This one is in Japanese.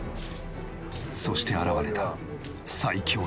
そして現れた最強の敵。